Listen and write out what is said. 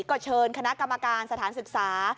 ก็เชิญคณะกรรมการสถานศึกษา